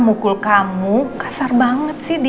mukul kamu kasar banget sih di